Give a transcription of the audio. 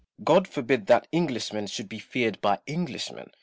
God forbid that Englishmen should be feared by Englishmen